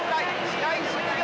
試合終了！